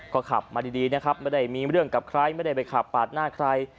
ก็ขับมาดีนะครับไม่ได้มีเรื่องกับใครไม่ได้ไปขับปาดหน้าใคร